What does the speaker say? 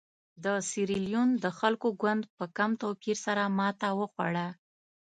د سیریلیون د خلکو ګوند په کم توپیر سره ماته وخوړه.